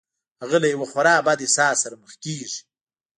هغه له يوه خورا بد احساس سره مخ کېږي.